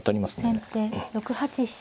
先手６八飛車。